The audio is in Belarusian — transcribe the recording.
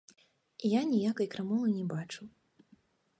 Я ніякай крамолы не бачу.